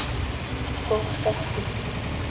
¡Coox casi!